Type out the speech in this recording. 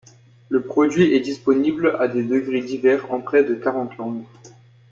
Le produit est disponible à des degrés divers en près de quarante langues.